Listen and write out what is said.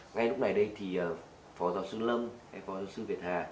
ngay lúc này đây thì phó giáo sư lâm hay phó giáo sư việt hà